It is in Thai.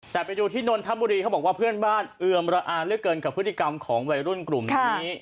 แต่ไปดูที่นนทบุรีเขาบอกว่าเพื่อนบ้านเอือมระอาเหลือเกินกับพฤติกรรมของวัยรุ่นกลุ่มนี้